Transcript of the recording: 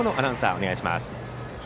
お願いします。